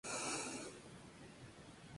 Fue promovido con el primer single, "Like It Is".